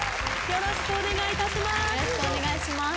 よろしくお願いします。